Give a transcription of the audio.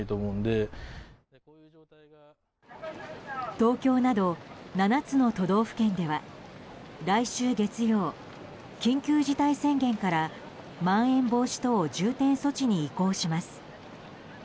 東京など７つの都道府県では来週月曜、緊急事態宣言からまん延防止等重点措置に移行します。